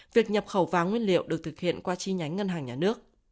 việc nhập khẩu vàng nguyên liệu được thực hiện qua chi nhánh ngân hàng nhà nước